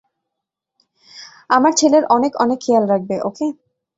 আমার ছেলের অনেক আনেক খেয়াল রাখবে, ওকে?